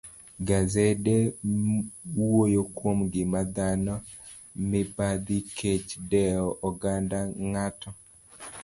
gasede wuoyo kuom ngima dhano, mibadhi, kech, dewo oganda ng'ato,